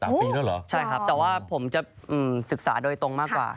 ปีแล้วเหรอใช่ครับแต่ว่าผมจะศึกษาโดยตรงมากกว่า